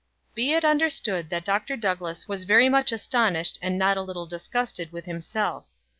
Be it understood that Dr. Douglass was very much astonished, and not a little disgusted with himself.